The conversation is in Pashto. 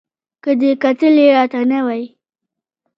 که دې کتلي را ته نه وای